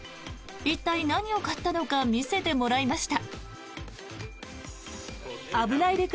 一体、何を買ったのか見せてもらいました。